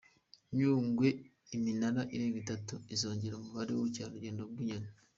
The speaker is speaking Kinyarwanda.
Nyungwe Iminara irenga itatu izongera umubare w’ubukerarugendo bw’inyoni